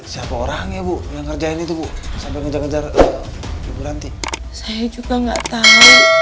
siapa orang ya bu yang ngerjain itu bu sampai ngejar ngejar ibu nanti saya juga nggak tahu